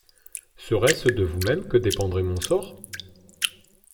Serait-ce de vous-même que dépendrait mon sort?